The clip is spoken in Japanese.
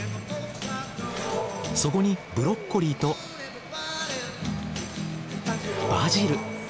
そこにブロッコリーとバジル。